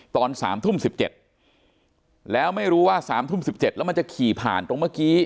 ตอนสามทุ่มสิบเจ็ดแล้วไม่รู้ว่าสามทุ่มสิบเจ็ดแล้วมันจะขี่ผ่านตรงเมื่อกี้